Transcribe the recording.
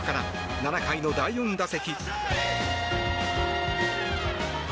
７回の第４打席。